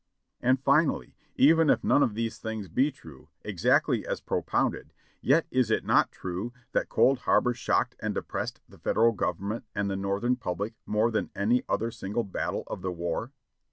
And finally, even if none of these things be true, exactly as propounded — yet is it not true, that Cold Harbor shocked and depressed the Federal Government and the Northern public more than any other single battle of the war?"